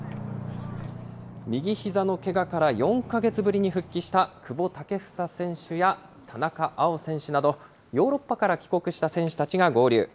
右ひざのけがから４か月ぶりに復帰した久保建英選手や田中碧選手など、ヨーロッパから帰国した選手たちが合流。